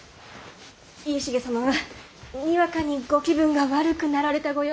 家重様はにわかにご気分が悪くなられたご様子！